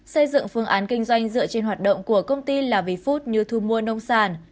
xây dựng phương án kinh doanh dựa trên hoạt động của công ty là vì food như thu mua nông sản